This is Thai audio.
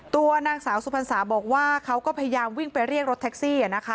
ตัวนางสาวสุพรรษาบอกว่าเขาก็พยายามวิ่งไปเรียกรถแท็กซี่